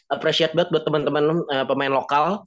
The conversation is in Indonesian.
appreciate banget buat temen temen pemain lokal